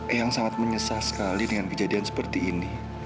eyang sangat menyesal sekali dengan kejadian seperti ini